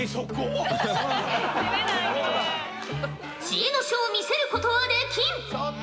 知恵の書を見せることはできん！